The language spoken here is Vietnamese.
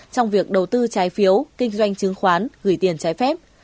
trong việc đầu tư trái phiếu kinh doanh chứng khoán gửi tiền trái phép